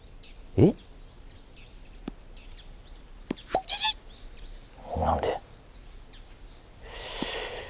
えっ？何で？